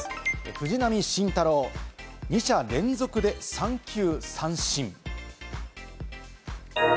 藤浪晋太郎、２者連続で三球三振。